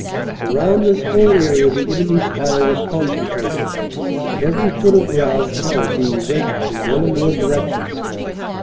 Around this whole area the enemy s fire was concentrated, every foot of ground held being raked from one or more directions.